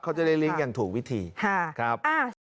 เขาจะได้เลี้ยงอย่างถูกวิธีครับ